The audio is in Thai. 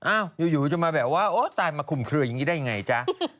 อยู่จะมาแบบว่าโอ๊ยตายมาคุมเคลืออย่างนี้ได้ไงจ๊ะ